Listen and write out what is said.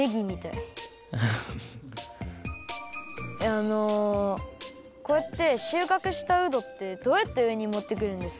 あのこうやってしゅうかくしたうどってどうやってうえにもってくるんですか？